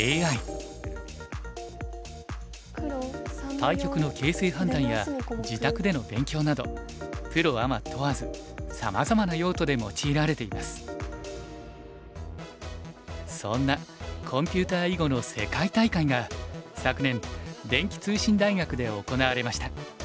対局の形勢判断や自宅での勉強などプロアマ問わずそんなコンピュータ囲碁の世界大会が昨年電気通信大学で行われました。